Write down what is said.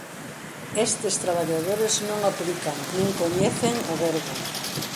Estes traballadores non aplican nin coñecen o Verbo.